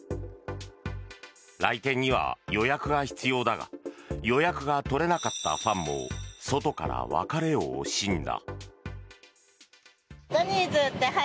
来店には予約が必要だが予約が取れなかったファンも外から別れを惜しんだ。